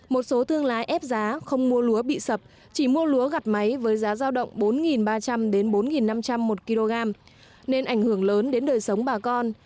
một số thương lái ép giá không mua lúa bị sập chỉ mua lúa gặt máy với giá giao động bốn ba trăm linh bốn năm trăm linh một kg nên ảnh hưởng lớn đến đời sống bà con